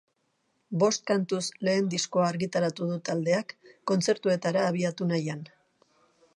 Bost kantuz lehen diskoa argitaratu du taldeak kontzertuetara abiatu nahian.